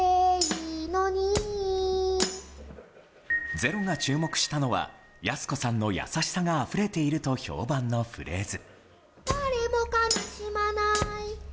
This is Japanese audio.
「ｚｅｒｏ」が注目したのはやす子さんの優しさがあふれていると評判のフレーズ。